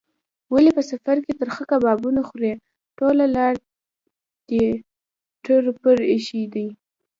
ولې په سفر کې ترخه کبابونه خورې؟ ټوله لار دې ټر ټور ایښی دی.